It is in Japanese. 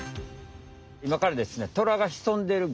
いまからですね